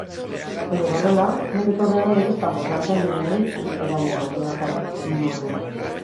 Horiek horrela, hemendik aurrera legez kanpo sartzen direnei eragingo die bakarrik neurria.